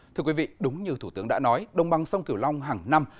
thưa quý vị đúng như thủ tướng đã nói đồng bằng sông cửu long hàng năm